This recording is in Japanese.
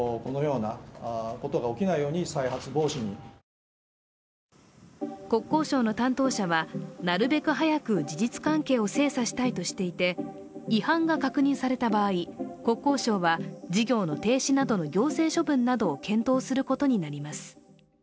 一方、業界への影響については国交省の担当者は、なるべく早く事実関係を精査したいとしていて、違反が確認された場合国交省は事業の停止などの行政処分などを検討することになります。